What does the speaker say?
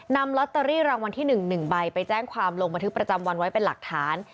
นำลอตเตอรี่รางวัลที่๑๑ใบไปแจ้งความลงบันทึกประจำวันไว้เป็นหลักฐาน